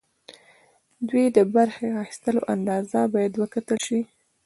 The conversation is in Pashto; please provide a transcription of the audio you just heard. دوی د برخې اخیستلو اندازه باید وکتل شي.